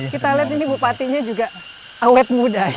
kita lihat ini bupatinya juga awet muda ya